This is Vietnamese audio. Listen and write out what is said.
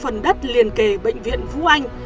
phần đất liền kề bệnh viện vũ anh